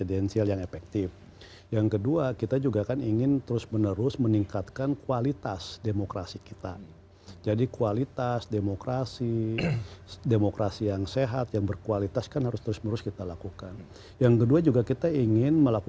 dan juga bang ferry termasuk juga ini